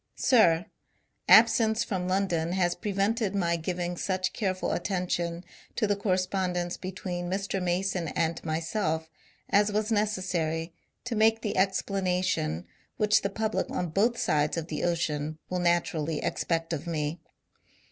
Sib, — Absence from London has prevented my giving such careful attention to the correspondence between Mr. Mason and myself as was necessary to make the explanation which the public on both sides of the ocean will naturaUy ex pect of me.